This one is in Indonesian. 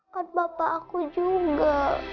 pat papa aku juga